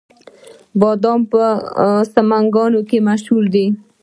بادام په سمنګان کې مشهور دي